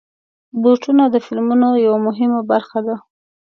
بوټونه د فلمونو یوه مهمه برخه ده.